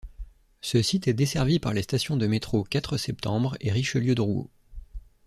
Ce site est desservi par les stations de métro Quatre-Septembre et Richelieu Drouot.